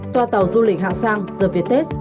tòa tàu du lịch hạng sang zervietes